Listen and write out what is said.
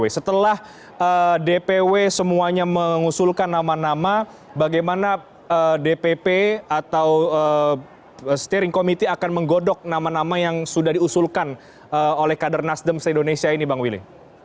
setelah dpw semuanya mengusulkan nama nama bagaimana dpp atau steering committee akan menggodok nama nama yang sudah diusulkan oleh kader nasdem se indonesia ini bang willy